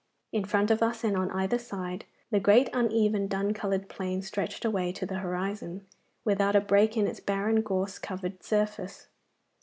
In front of us and on either side the great uneven dun coloured plain stretched away to the horizon, without a break in its barren gorse covered surface.